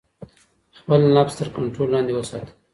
خپل نفس تر کنټرول لاندې وساتئ.